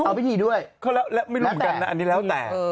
เอาวิธีด้วยไม่รู้อันนี้แล้วแต่